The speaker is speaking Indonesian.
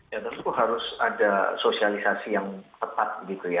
ya tentu harus ada sosialisasi yang tepat